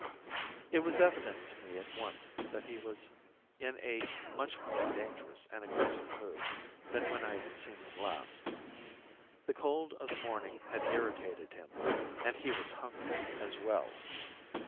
It was evident to me at once that he was in a much more dangerous and aggressive mood than when I had seen him last. The cold of the morning had irritated him, and he was hungry as well.